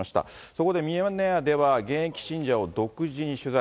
そこでミヤネ屋では現役信者を独自に取材。